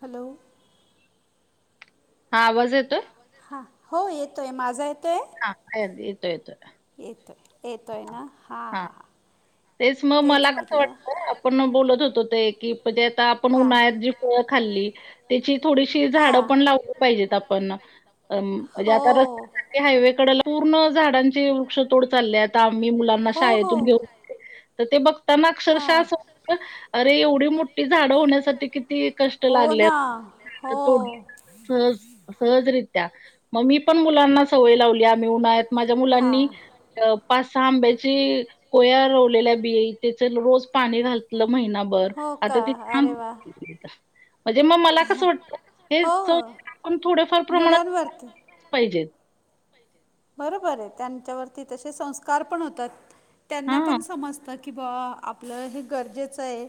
Hello हा वजन हा हो येतोय माझा येतोय हा ह येतो येतोय येतोय येतोय ना हां हा हां हां तेच मग मला कसं वाटतंय आपण बोलत होतो ते की म्हणजे आता आपण हां उन्हाळ्यात जी फळं खाल्ली तिची थोडीशी झाडं हां पण लावली पाहिजेत आपण म्हणजे आता हो ते हायवे कडला पूर्ण झाडांची वृक्ष तोड चालली आता आम्ही मुलांना हो हो शाळेतून घेऊन येते तर ते बघताना हां अक्षरशःअसा अरे एवढी मोठी झाडं होण्यासाठी कि किती कष्ट हो ना हो लागल्यात तोडली सहज सहजरीत्या मग मी पण मुलांना सवय लावली आम्ही उन्हाळ्यात माझ्या मुलांनी हां पाच सहा आंबे ची कोया रोवलेल्या बिया त्याचं रोज पाणी घातलं महिनाभर हो का आता ती अरे थांब वा म्हणजे मग मला कसं वाटतंय हो हेच थोडफार प्रमाणात मुलांवरती पाहिजेत बरोबर आहे त्यांच्यावरती तसे संस्कार पण होतात, त्यांना हां. पण समजतात. कि बावा आपलं हे गरजेचं हाय.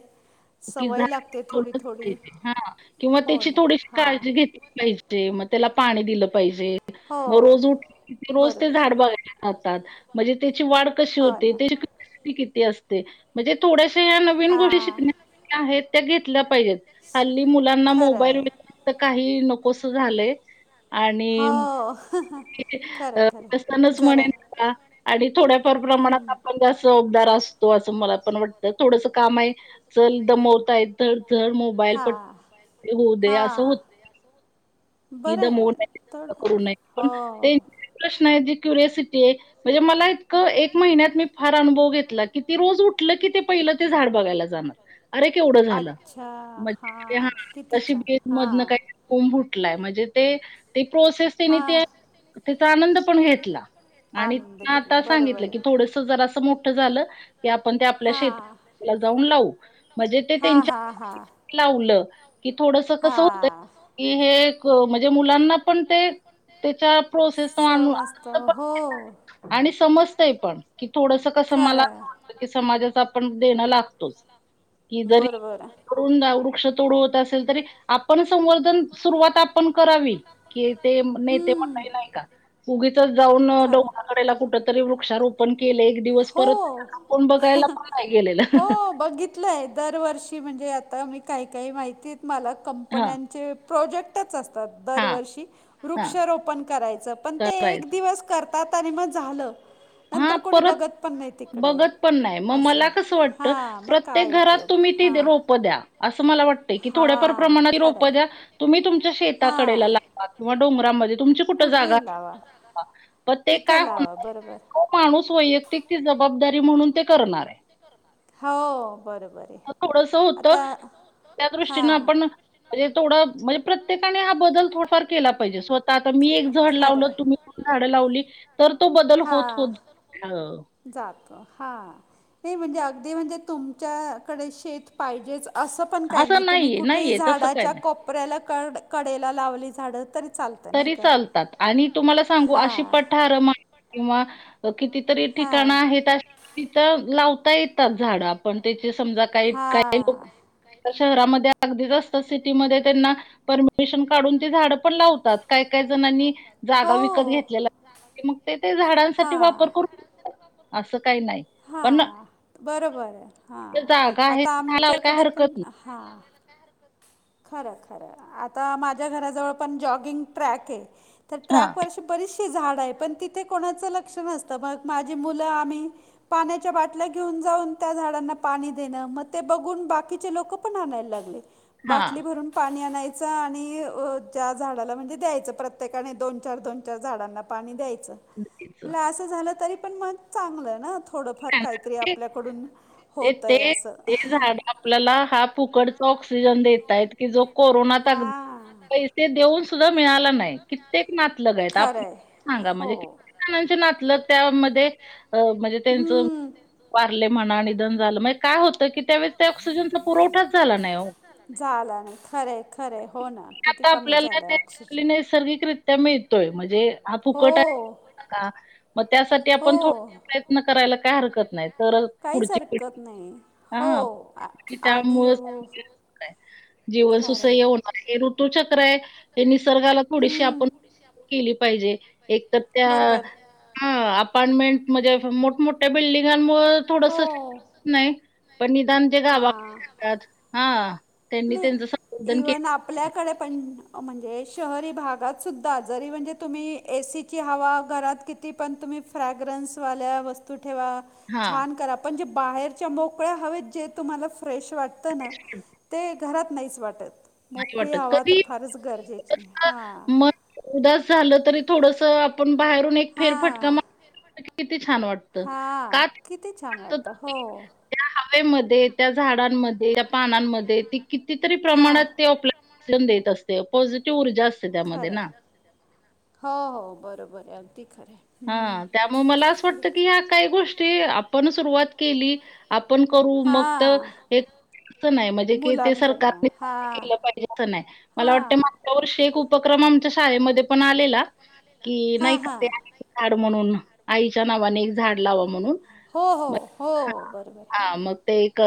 कि झाडं तोडलीच नाही पाहिजे ना किंवा हो त्यांची ना थोडीशी हां काळजी घेतली पाहिजे ते मग त्याला पाणी दिलं पाहिजे हो मग रोज उठ रोज ते बरोबर झाड बघायला जातात म्हणजे त्यांची वाढ कशी हो होते ना ते उंची किती असते म्हणजे थोड्याशा या नवीन गोष्टी हा. शिकण्या [inaudible] आहेत त्या घेतल्या पाहिजेत हल्ली मुलांना मोबाईल खरंय. [inaudible] काहीही नकोसं झालंय आणि हो किती खरं खरं [inaudible] जरा म्हणेन का आणि थोड्याफार प्रमाणात हम्म. आपणच जबाबदार असतो असं मला पण वाटतं थोडंसं काम आहे चल दमवताय तर धर मोबाईल पट हां होऊ दे असं हां होत की बरं दमवू आहे नयेत, थोड दंगा करू नयेत पण ते हो प्रश्न आहे कि क्युरियसिटी आहे म्हणजे मला एक महिन्यात मी फार अनुभव घेतला की ती रोज उठलं की ते पहिलं ते झाड बघायला जाणार अरे केवढं झालं अच्छा म्हणजे हां [inaudible] किती तशी छान भेट मधनं हां काही कोंब फुटलाय म्हणजे ते ते प्रोसेस त्यांनी हां ते त्यांचा आनंद पण घेतला. आणि आनंद तेनं घेतला आता सांगितलं बरोबर की आहे थोडसं जरासं मोठं झालं की आपण ते आपल्या शेता हां ला जाऊन लावू हा हा त्यांच्या हा लावलं की थोडसं कसं हुतयं हा. कि हे म्हणजे मुलांना पण ते त्यांच्या प्रोसेस समजत हो [inaudible] आणि समजतंय पण की थोडसं कसं मला असं खरं वाटतं की समाजाचं आपण देणं लागतोच की जरी बरोबर तिकडून वृक्षतोड होत असली असेल तरी आपण संवर्धन सुरवात आपण करावी कि ते नेते हम्म. मंडळी नाही का उगीच जाऊन खरं डोंगळाकडेला कुठं तरी वृक्षारोपण केलं एक दिवस. परत हो, कोण बघायला पण नाही गेलेलं हो बघित लयं, दरवर्षी म्हणजे आता मी काही- काही माहिती मला हा कंपन्यांचे प्रोजेक्टच असतात हा दरवर्षी, हा वृक्ष रोपण करायचं पण ते एक करायचं दिवस तात आणि मग झालं, हा नंतर कोणी परत बघत पण नाही तिकडे बघत पण नाय, मग असं मला कसं वाटत हां मग प्रत्येक काय घरात उपयोग तुम्ही ती हां रोप द्या. असं मला वाटतंय की थोड्याफार हां प्रमाणात ती खरं रोप आहे द्या, तुम्ही तुमच्या शेताकडेला हां लाव लावा किंवा डोंगरामध्ये तुमची कुठं जागा, कुठेही लावा बर ते का? तिथे लावा बरोबर तो माणूस वैयक्तिक ती जबाबदारी म्हणून ते करणार हाय. हो बरोबर आहे मग थोडंसं होतं, आता त्या दृष्टीनं हा. आपण म्हणजे थोडं, म्हणजे प्रत्येकाने हा बदल थोडाफार केला पाहिजे स्वतःता आता मी एक झाड स्वतःनी लावलं पण तुम्ही झाडं लावली. तर तो बदल. होत हां. होत अ, जातो हा, ते म्हणजे अगदी म्हणजे तुमच्याकडे शेत पाहिजेच. अस पण काही नाही. असं तुम्ही नाहीये, कुठेही नाहीये तसं काही झाडाच्या नाही. कोप कोपऱ्याला कड, कडेला लावली झाड तरी चालत. तरी चालतात आणि तुम्हाला सांगू अशी तुम्हाला पठार मग किंवा किती तरी ठिकाण काहीतरी आहेत अशी तिथ लावता येतात झाड, आपण त्याचे समजा काही काही लोक किंवा शहरामध्ये अगदीच असत सिटीमध्ये त्यांना परमिशन काढून ते झाड पण लाव काय- काय जणांनी जागा विकत हो घेतलेला मग ते, ते झाडांसाठी हां वापर करून अस काही नाही. पण हां बरोबर, आहे ज्या हां जागा आहे, आता झाड लावायला काही आमच्याकडे पण हरकत नाही. हां. खरय, खरय आता माझ्या घराजवळ पण जॉगिंग ट्रॅक हे तर हां, ट्रॅकवर बरीचशी झाड आहेत पण तिथे कोणाच लक्ष नसत मग माझी मुल आम्ही पाण्याच्या बाटल्या घेऊन जाऊन त्या झाडांना पाणी देण, मग ते बघून बाकीचे लोक पण आणायला लागले. हां. बाटली भरून. पाणी आणायच आणि अ ज्या झाडाला म्हणजे द्यायच प्रत्येकाने दोन-चार, दोन -चार झाडांना. पाणी द्यायच. नक्कीच. तिला अस झाल तरी पण मग चांगल ना, थोडफार काहीतरी आपल्याकडून ते होतय ते अस, ते अंहहह.. झाड आपल्याला हा फुकडचा ऑक्सिजन देतायत, की जो कोरोनात हा. अगदी ते देऊन सुद्धा मिळाल नाही, कित्येक नातलग आपले खरंय सांगा हो म्हणजे किती जणांचे नातलग त्यामध्ये, म्हणजे त्यांच हम्म. वारले म्हणा. निधन झाल, काय होत. नाही हो. झाला ना खरय, खरय होना. किती आता आपल्याला त्याचातली नैसर्गिक रिती तिथ मिळतोय म्हणजे हा फुकट आहे हो का मग त्यासाठी हो. आपण थोड प्रयत्न करायला काय हरकत नाही. तर काहीच पुढची पिढी नाही हो, आणि हो. जीवस खरंय. सुसह्य होउन. हे ऋतूच्या खर हाय, निसर्गाला थोडीशी आपण केली पाहिजे. एक तर त्या, बरोबर. आ, अपार्टमेंट म्हणजे मोठमोठया त्या बिल्डिंगांनमुळे थोडस नाही, पण निदान ते गावाकड जातात. हा त्यांनी त्यांच नाही संगोपन केल. इवन आपल्याकडे पण म्हणजे शहरी भागात सुद्धा जरी म्हणजे तुम्ही एसी ची हवा घरात किती पण तुम्ही फ्रॅग्रन्सवाल्या वस्तू ठेवा. हां, छान करा पण जे बाहेरच्या मोकळ्या हवेत जे तुम्हाला फ्रेश वाटतं ना. [inaudible] ते घरात नाहीच वाटत. नाहीच मोकळी वाटत हवा तर कधी फारच गरजेची [unintelligible] हां मन उदास झाल तरी थोडस.. आपण बाहेरून एक फेर फटका मारला तर किती छान वाटतं. हा का छान किती छान वाटतं तर हो. त्या हवेमध्ये त्या झाडांमध्ये त्या पानांमध्ये ती कितीतरी हां प्रमाणात... ते आपलं ऑक्सिजन मिळत असते पॉझिटीव ऊर्जा असते. त्यामध्ये खरं, ना. हो हो बरोबर आहे अगदी खरं आहे. हम्म. हा त्यामुळे मला असं वाटतं की ह्या काही गोष्टी आपण सुरुवात केली. आपण करू मग तर आपण हे [unintelligible] नाही म्हणजे की ते मुलांकडनं सरकारने. हा केलं पाहिजे कणई मला हा वाटत मागच्या वर्षी एक उपक्रम आमच्या शाळेमध्ये पण आलेला. कि हा नाही का हा ते प्रत्येकाने एक झाड म्हणून आईच्या नावाने एक झाड लावा म्हणून. हो हो मग हो हां, बरोबर हा. हां. मग ते एक अ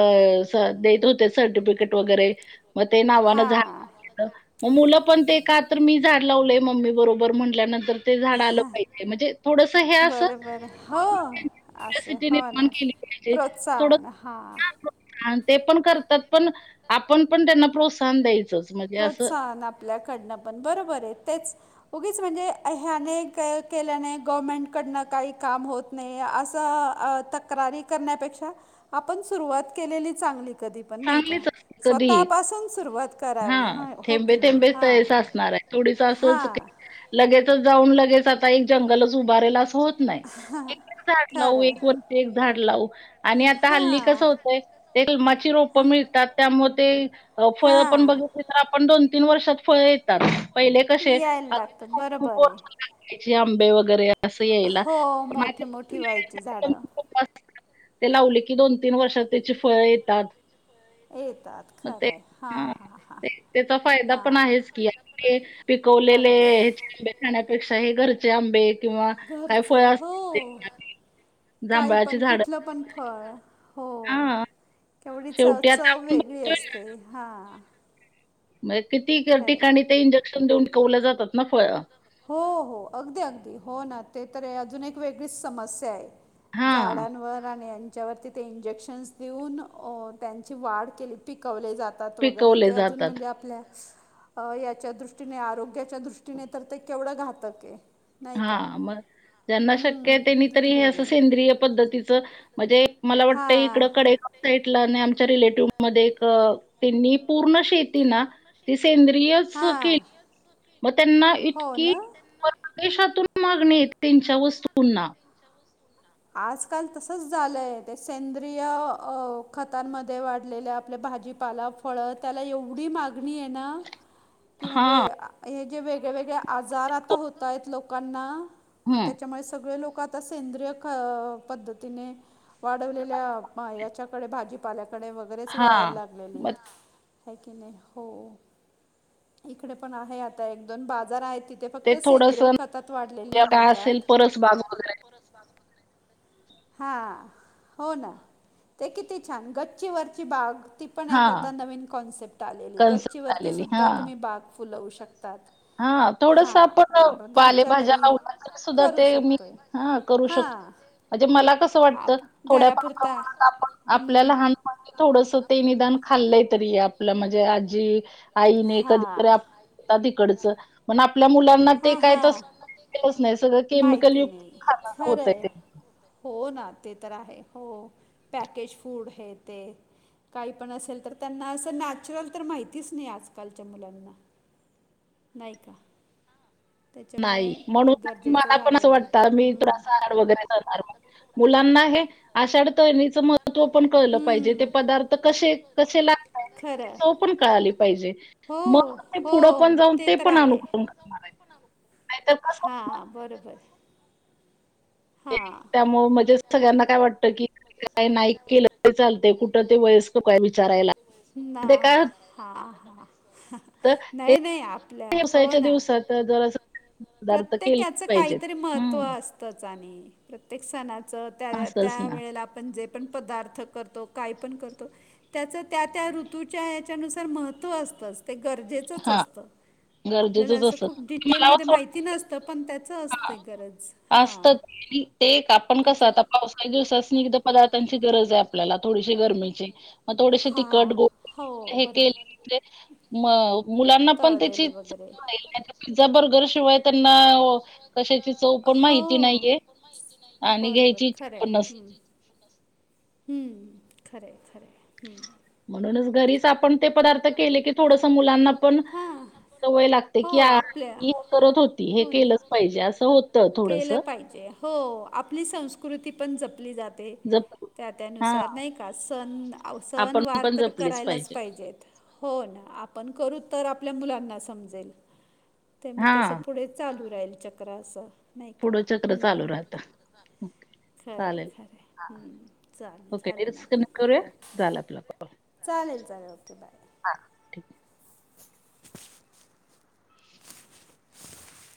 स देत होते सर्टिफिकेट वगैरे मग ते नावानं हां झाड मग मुलं पण ते का तर मी झाड लावलेय मम्मी बरोबर म्हटल्यानंतर ते झाड आलं पाहिजे. ते म्हणजे थोडस हे असं म्हणजे बरोबर हो अनइन्टेलिजीबल असं सीटी हो निर्माण ना केली पाहिजे. प्रोत्साहन हा अण ते पण करतात पण आपण पण त्यांना प्रोत्साहन द्यायचंच म्हणजे असं प्रोत्साहन पाहिजे. आपल्याकडनं पण बरोबर आहे तेच. उगीच म्हणजे ह्याने काय केल्याने गवर्मेंट कडनं काही काम होत. नाही असं अ तक्रारी करण्यापेक्षा आपण सुरुवात केलेली चांगली. कधी पण नाही का चांगलीच असते कधीही. स्वतःपासून स सुरुवात करावी हां, ह हो की नाही थेंबे-थेंबे हा तळेसा असणार आहे. थोडीसं हा. असंच की लगेचच जाऊन लगेच आता एक जंगलच उभारेल असं होत नाही. हां एक एक झाड खरं लावू आहे एक वर्ष एक झाड लावू. आणि आता हल्ली कसं होतंय ते कलमाची रो प मिळतात त्यामुळे ते फळं पण बघितली तर आपण दोन तीन वर्षात फळं येतात. पहिले कसे [unintelligible] येतात पहिले तसे आंबे खूप वगैरे [unintelligible] आंबे वगैरे असं यायला पण असे मोठी व्हायची झाडं अनइंटेलिजिबल [unintelligible] ते लावले की दोन तीन वर्षात त्याची फळं येतात. येतात मग ते खरंय हा हां. हा. त्याचा फायदा पण आहेच की ते पिकवलेले अगदी अनइंटेलिजिबल [unintelligible] खाण्यापेक्षा हे घरचे आंबे किंवा काय फळ घरचे हो असतील [unintelligible] काही जांभळाची पण झाडं कुठलं पण फळ हो. हां. केवढी च शेवटी आता चव आपण वेगळी बघतोय असते हा. नाही किती ठिकाणी ते इंजेक्शन देऊन पिकवले जातात ना फळं हो हो अगदी अगदी हो ना ते तर अजून एक वेगळीच समस्या आहे. हां. झाडांवरून त्याच्यावर ते इंजेक्शन्स देऊन अ त्यांची वाढ केली पिकवले जातात. वैगरे पिकवले ते अजून जातात. म्हणजे आपल्या अ याच्या दृष्टीने आरोग्याच्या दृष्टीने तर ते केवढं घातक आहे. नाही का? हा मग ज्यांना शक्य हम्म आहे त्यांनी तरी ज्यांना हे असं वेगळ शक्य सेंद्रिय पद्धतीच म्हणजे मला वाटत हा. इकड कडे साईटला आणि आमच्या रिलेटिव्ह मध्ये एक त्यांनी पूर्ण शेती ना ते सेंद्रिय हां. मग त्यांना इतकी परदेशातून मागणी येत त्यांच्या वस्तूंना. आजकाल तसंच झालंय ते सेंद्रिय अ खतांमध्ये वाढलेल्या आपल्या भाजी पाला, फळ त्याला एवढी मागणी आहे ना की हां. म्हणजे हे जे वेगळेवेेगळे आजार आता होतायत लोकांना मग हं. त्याच्यामुळे सगळे लोक आता सेंद्रिय ख पद्धतीने वाढवलेल्या पा याच्या कडे भाजीपाल्याकडे बग. बरेच वळायला हां. लागलेले. मग ह की नाही? हो इकडे पण आहे आता एक-दोन बाजार आहे ती ते फक्त सेंद्रिय खतात वाढलेली काय मिळतात, असेल परसबाग काय अस वगैरे हा हो ना ते किती छान गच्चीवरची बाग ती पण एक आता हां. नवीन कॉन्सेप्ट आलेली गच्ची कन्सेप्ट वरती आलेली. सुद्धा तुम्ही बाग फुलवू शकतात. हा थोडस हां आपण घरच्या पालेभाज्या घरी लावल्या थोडंसं तर आपण सुद्धा करू अ, ते मी शकतोय पालेभाज्या हा लावू करू शकतो. हां म्हणजे मला कसं वाटतं आप थोडं थोड्या घरापुरता मला प्रमाणात असं वाटतं आपण थोडं आपल्या हम्म. लहान थोडस ते निदान खाल्लय तरी आपलं म्हणजे आजी आईने हां कधीतरी आधीकडचं पण आपल्या मुला ना ते हां काय हां तसं नाही सगळं केमिकल माहिती युक्त नाही खान खरं होतंय आहे ते. हो ना ते तर आहे हो पॅकेज फूड हे ते. काही पण असेल तर त्यांना असं नॅचरल तर माहितीच नाही आजकालच्या मुलांना. नाही का? त्याच्यामुळे नाही म्हणून ते तर गरजेचं मला पण असं झालेलं, वाटतं मी हम्म थोडासा आहार वगैरे अस करणार वाटत. मुलांना हे आषाढ तळणीचं महत्त्व पण कळलं पाहिजे ते हम्म, पदार्थ कसे कसे लागतय खरं तो पण कळाली पाहिजे हो मग ते पुढं हो पण जाऊन ते तर पण आहे अनुक्रम करणार आहे. नाही तर कस हां बरोबर. हां. मग मजेच सगळ्यांना काय वाटतं की काय नाही केलं तर चालत कुठं ते वयस्क काय विचारायला. ते काय हा हा, होतं नाही नाही आपल्या हो व्यवसायाच्या ना दिवसात काय घराच प्रत्येक याचं काहीतरी महत्त्व हम्म अस तच आणी, प्रत्येक सणाच त्या, असंच त्या ना वेळेला आपण जे पण पदार्थ करतो काय पण करतो त्याच त्या त्या ऋतूच्या याच्यानुसार महत्त्व असतंच ते गरजे चच हा असत, आपल्या गरजेचंच अस असत खुप डिटेल मध्ये माहिती नसतं पण त्याच अस असत, ते आपण कसं त्याच्या आता असतं पावसाच्या की दिवसासनी पदार्थांची गरज आहे आपल्याला थोडीशी गरमीची मग थोडीशी थोडीसे तीखट हां गो हो हे केले बरोबर म्हणजे म मुलांना पण त्याची तळलेले वगैरे [unintelligible] पिझ्झा, बर्गर शिवाय त्यांना कशाची चव [inaudible] पण हो माहिती नाहीये आणि घ्यायची बरोबर इच्छा खरं पण नसते. हम्म. हम्म्, खरय खरय हम्म्. म्हणूनच घरीच आपण ते पदार्थ केले की थोडसं मुलांना पण सवय लागते हा की हो आ आपल्या ई करत होती. हे हो ना केलंच पाहिजे. असं होत केलं पाहिजे. हो.. आपली संस्कृती पण जपली जाते. जप त्या त्या हां, नुसार नाही का? सण आव, आपण सणवार पण तर जपलीच करायलाच पाहिजे. पाहिजेत. हो ना. आपण करू तर, आपल्या मुलांना समजेल. ते म, तसं हां, पुढे चालू राहील चक्र असं. नाही का. पुढं चक्र चालू ह्म. राहतं. ओके, खरंय चालेल. खरंय, हां, ह्म चाल ओके. झाले ना आपले? डिस्कनेक्ट करूया? हो. झाला आपला चालेल चालेल ओके बाय. हा.